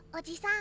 ん？